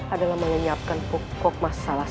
adalah menyiapkan pokok masalah